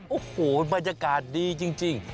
โอ้โหบรรยากาศดีจริง